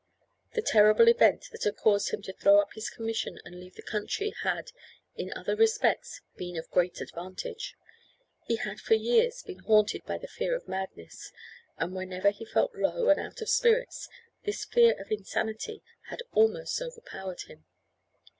The terrible event that had caused him to throw up his commission and leave the country had in other respects been of great advantage. He had for years been haunted by the fear of madness, and whenever he felt low and out of spirits this fear of insanity had almost overpowered him.